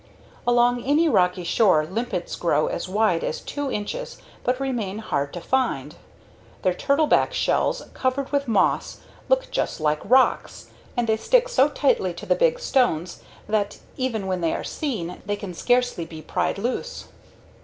Along any rocky shore, limpets grow as wide as two inches but remain hard to find. Their turtleback shells, covered with moss, look just like rocks, and they stick so tightly to the big stones that even when they are seen they can scarcely be pried loose.